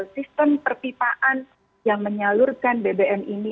sistem perpipaan yang menyalurkan bbm ini